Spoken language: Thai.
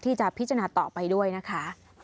ที่จะพิจารณาต่อไปด้วยนะคะ